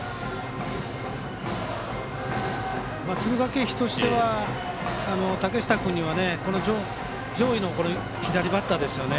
敦賀気比としては竹下君には上位の左バッターですよね。